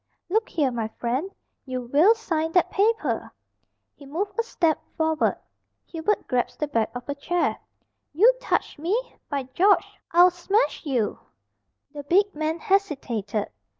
"Look here, my friend, you will sign that paper." He moved a step forward. Hubert grasped the back of a chair. "You touch me! By George! I'll smash you!" The big man hesitated.